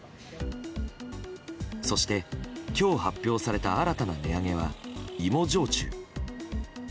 そして、今日発表された新たな値上げは芋焼酎。